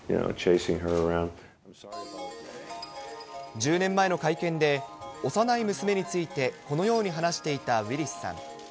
１０年前の会見で、幼い娘についてこのように話していたウィリスさん。